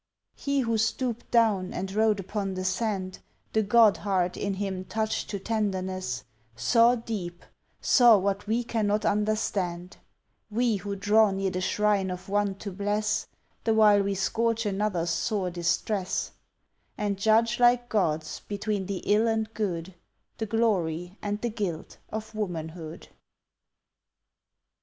He who stooped down and wrote upon the sand, The God heart in him touched to tenderness, Saw deep, saw what we cannot understand, We, who draw near the shrine of one to bless The while we scourge another's sore distress, And judge like gods between the ill and good, The glory and the guilt of womanhood.